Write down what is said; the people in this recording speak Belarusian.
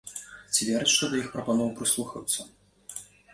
Ці вераць, што да іх прапаноў прыслухаюцца?